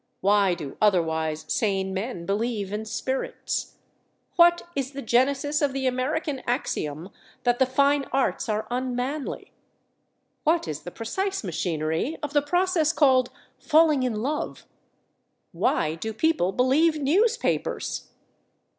Why do otherwise sane men believe in spirits? What is the genesis of the American axiom that the fine arts are unmanly? What is the precise machinery of the process called falling in love? Why do people believe newspapers?...